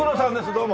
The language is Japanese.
どうも。